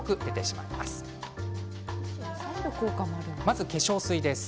まずは化粧水です。